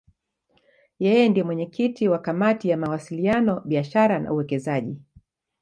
Yeye ndiye mwenyekiti wa Kamati ya Mawasiliano, Biashara na Uwekezaji.